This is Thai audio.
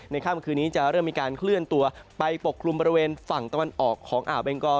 ค่ำคืนนี้จะเริ่มมีการเคลื่อนตัวไปปกคลุมบริเวณฝั่งตะวันออกของอ่าวเบงกอ